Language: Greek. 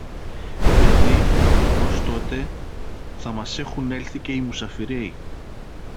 Γιατί, ως τότε, θα μας έχουν έλθει και οι μουσαφιρέοι